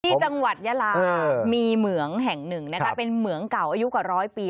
ที่จังหวัดยาลามีเหมืองแห่งหนึ่งนะคะเป็นเหมืองเก่าอายุกว่าร้อยปี